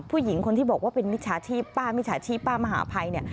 ผู้หญิงคนที่บอกว่าเป็นมิจฉาชีพป้ามิจฉาชีพป้ามหาภัยเนี่ย